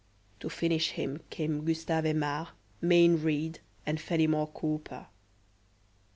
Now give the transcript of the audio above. To finish him came Gustave Aimard, Mayne Reid, and Fenimore Cooper.